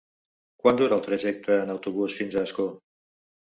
Quant dura el trajecte en autobús fins a Ascó?